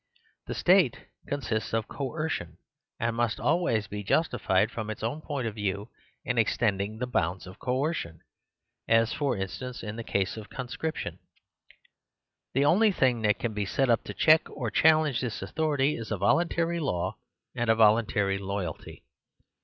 The state consists of coer 72 The Superstition of Divorce cion; and must always be justified from its own point of view in extending the bounds of coercion ; as, for instance, in the case of con scription. The only thing that can be set up to check or challenge this authority is a vol untary law and a voluntary loyalty.